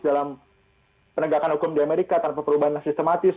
dalam penegakan hukum di amerika tanpa perubahan sistematis